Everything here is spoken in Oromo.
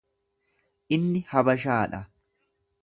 Inni Habashaa dha.